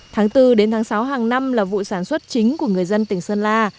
tháng bốn đến tháng sáu hàng năm là vụ sản xuất chính của người dân tỉnh sơn la